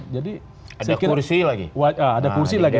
jadi ada kursi lagi